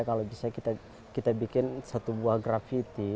kalau bisa kita bikin satu buah gravity